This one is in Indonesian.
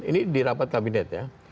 ini di rapat kabinet ya